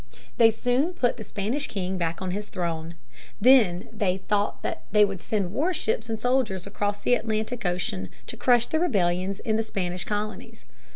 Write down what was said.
They soon put the Spanish king back on his throne. They then thought that they would send warships and soldiers across the Atlantic Ocean to crush the rebellions in the Spanish colonies.